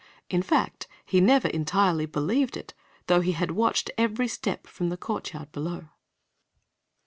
In fact, he never entirely believed it, though he had watched every step from the courtyard below.